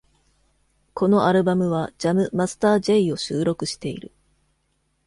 このアルバムはジャム・マスター・ジェイを収録している。